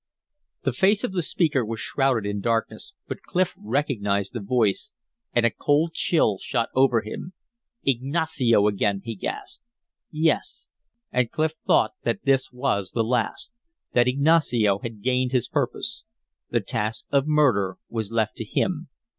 The face of the speaker was shrouded in darkness, but Clif recognized the voice, and a cold chill shot over him. "Ignacio again!" he gasped. Yes. And Clif thought that this was the last that Ignacio had gained his purpose. The task of murder was left to him.